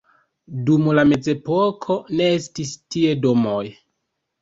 Dum la mezepoko ne estis tie domoj.